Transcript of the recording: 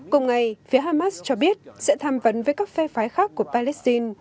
cùng ngày phía hamas cho biết sẽ tham vấn với các phe phái khác của palestine